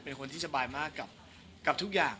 เป็นคนที่สบายมากกับทุกอย่าง